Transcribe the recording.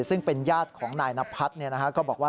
ซึ่งเป็นญาติของนายนพัฒน์ก็บอกว่า